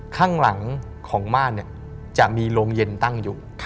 ข้างหลังของม่านจะมีโรงเย็นตั้งอยู่